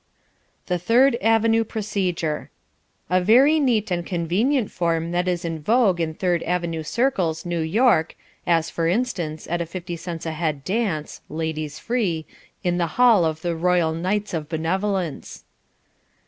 The Third Avenue Procedure A very neat and convenient form is that in vogue in Third Avenue circles, New York, as, for instance, at a fifty cents a head dance (ladies free) in the hall of the Royal Knights of Benevolence.